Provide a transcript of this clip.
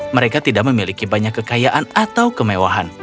mereka tidak memiliki banyak kekayaan atau kemewahan